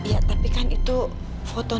ya tapi kan itu foto non mira sendiri non